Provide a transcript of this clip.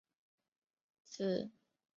紫果蔺为莎草科荸荠属的植物。